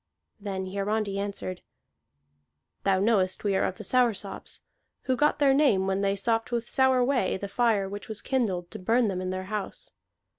Then Hiarandi answered: "Thou knowest we are of the Soursops, who got their name when they sopped with sour whey the fire which was kindled to burn them in their house.